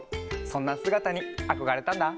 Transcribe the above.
そんなすがたにあこがれたんだ。